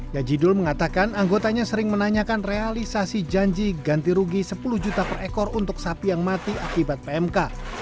yajidul mengatakan anggotanya sering menanyakan realisasi janji ganti rugi sepuluh juta per ekor untuk sapi yang mati akibat pmk